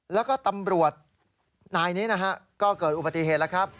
แล้วก็ตำรวจนายนี้นะฮะก็เกิดอุบัติเหตุแล้วครับ